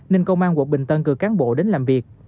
nên công an quận bình tân cử cán bộ đến làm việc